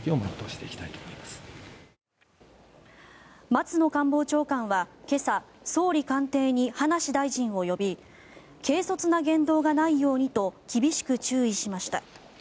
松野官房長官は今朝総理官邸に葉梨大臣を呼び軽率な言動がないようにと厳しく注意しました。